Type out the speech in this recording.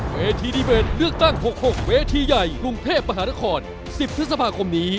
เวทีนี้เป็นเลือกตั้งหกหกเวทีใหญ่กรุงเทพมหารครสิบพฤษภาคมนี้